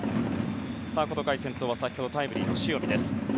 この回先頭は先ほどタイムリーの塩見です。